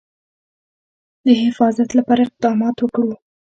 د حفاظت لپاره اقدامات وکړو.